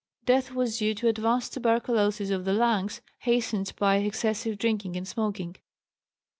Death was due to advanced tuberculosis of the lungs, hastened by excessive drinking and smoking.